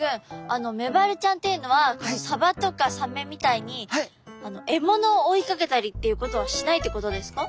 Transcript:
あのメバルちゃんっていうのはサバとかサメみたいに獲物を追いかけたりっていうことはしないってことですか？